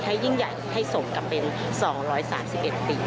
ให้ยิ่งใหญ่ให้สมกับเป็น๒๓๑ปี